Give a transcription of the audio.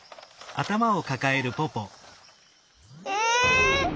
え！